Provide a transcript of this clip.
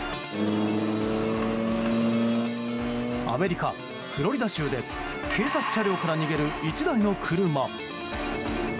アメリカ・フロリダ州で警察車両から逃げる１台の車。